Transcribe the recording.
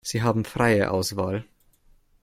Sie haben freie Auswahl.